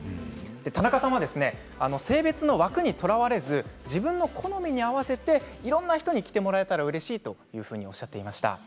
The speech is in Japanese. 田中さんは性別の枠にとらわれず自分の好みに合わせていろんな人に着てもらえたらうれしいとおっしゃっていました。